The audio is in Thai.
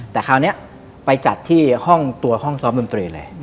แต่คราวนี้ไปจัดที่ห้องตัวห้องซ้อมดนตรีเลย